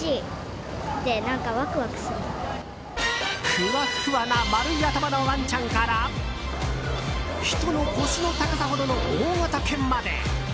ふわふわな丸い頭のワンちゃんから人の腰の高さほどの大型犬まで。